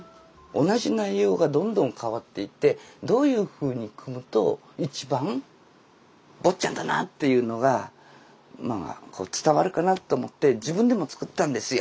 同じ内容がどんどん変わっていってどういうふうに組むと一番「坊っちゃん」だなっていうのが伝わるかなと思って自分でも作ったんですよ。